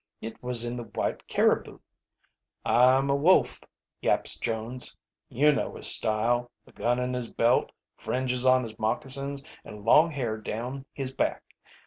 It was in the White Caribou. 'I'm a wolf!' yaps Jones. You know his style, a gun in his belt, fringes on his moccasins, and long hair down his back.